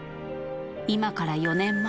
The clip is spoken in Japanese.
今から４年前、